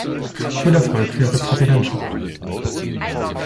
Viel Erfolg für Ihre Präsidentschaft!